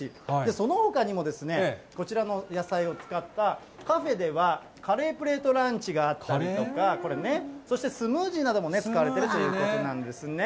そのほかにもですね、こちらの野菜を使った、カフェでは、カレープレートランチがあったりとか、これね、そしてスムージーなども使われてるということなんですね。